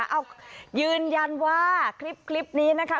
เอายืนยันว่าคลิปนี้นะคะ